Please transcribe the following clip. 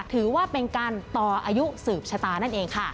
ถือว่าเป็นการต่ออายุสืบชะตานั่นเองค่ะ